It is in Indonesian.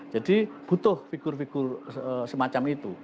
jadi butuh figur figur semacam itu